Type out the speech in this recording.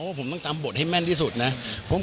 ว่าผมไม่ได้ผิดสัญญาแน่นอน